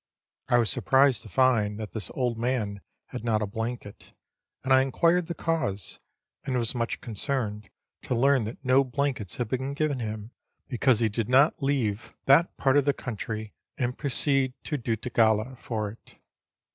I was surprised to find that this old man had not a blanket, and I inquired the cause, and was much concerned to learn that no blankets had been given him, because he did not leave that part of the country and proceed to Dutigalla for it.